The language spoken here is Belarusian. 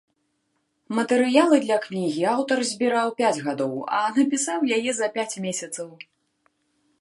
Матэрыялы для кнігі аўтар збіраў пяць гадоў, а напісаў яе за пяць месяцаў.